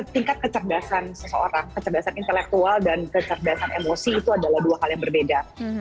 tingkat kecerdasan seseorang kecerdasan intelektual dan kecerdasan emosi itu adalah dua hal yang berbeda